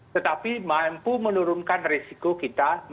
tetapi mampu menurunkan resiko kita